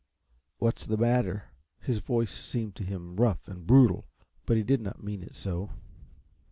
"What's the matter?" His voice seemed to him rough and brutal, but he did not mean it so.